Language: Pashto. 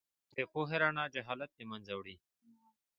د پوهې رڼا جهالت له منځه وړي.